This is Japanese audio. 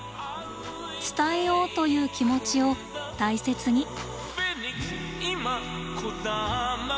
「伝えよう」という気持ちを大切に！